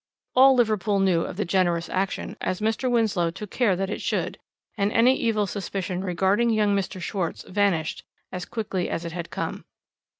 "All Liverpool knew of the generous action, as Mr. Winslow took care that it should; and any evil suspicion regarding young Mr. Schwarz vanished as quickly as it had come.